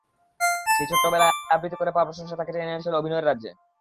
সেই ছোট্টবেলায় আবৃত্তি করে পাওয়া প্রশংসা তাঁকে টেনে এনেছিল অভিনয়ের রাজ্যে।